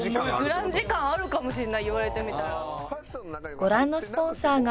グランジ感あるかもしれない言われてみたら。